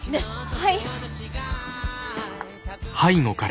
はい。